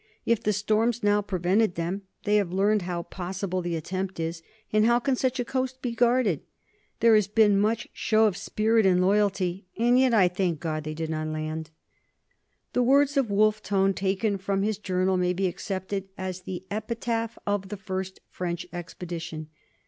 If the storms now prevented them they have learned how possible the attempt is, and how can such a coast be guarded? There has been much show of spirit and loyalty, and yet I thank God they did not land!" The words of Wolfe Tone, taken from his journal, may be accepted as the epitaph of the first French expedition.